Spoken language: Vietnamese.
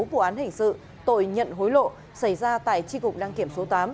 vụ án hình sự tội nhận hối lộ xảy ra tại tri cục đăng kiểm số tám